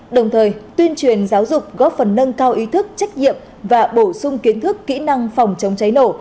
đồng thời tuyên truyền giáo dục góp phần nâng cao ý thức trách nhiệm và bổ sung kiến thức kỹ năng phòng chống cháy nổ